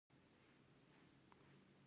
دا د انسجام د رامنځته کولو څخه عبارت دي.